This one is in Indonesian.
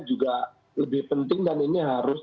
juga lebih penting dan ini harus